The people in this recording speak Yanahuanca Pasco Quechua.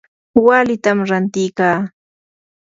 walitam rantikaa.